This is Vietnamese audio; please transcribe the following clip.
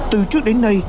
từ trước đến nay